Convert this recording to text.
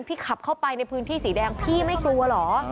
ขับเข้าไปในพื้นที่สีแดงพี่ไม่กลัวเหรอ